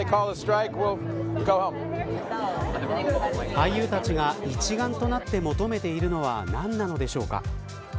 俳優たちが一丸となって求めているのは何なのでしょうか。